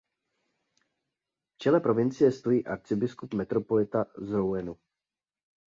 V čele provincie stojí "arcibiskup–metropolita z Rouenu".